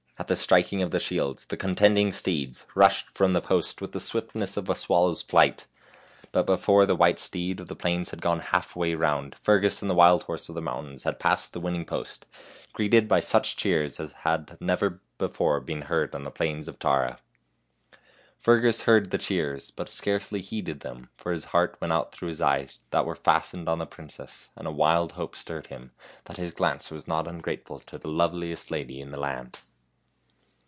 At the striking of the shields the contending steeds rushed from the post with the swiftness of a swallow's flight. But before the white steed of the plains had gone halfway round, Fergus and the wild horse of the mountains had passed the winning post, greeted by such cheers as had never before been heard on the plains of Tara. THE HUNTSMAN'S SON 97 Fergus heard the cheers, but scarcely heeded them, for his heart went out through his eyes that were fastened on the princess, and a wild hope stirred him that his glance was not ungrate ful to the loveliest lady of the land.